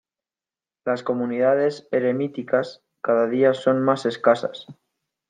Las comunidades eremíticas cada día son más escasas.